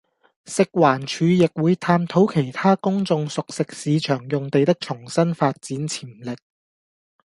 食環署亦會探討其他公眾熟食市場用地的重新發展潛力